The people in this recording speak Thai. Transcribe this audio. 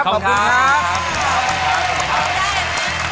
ขอบคุณมาก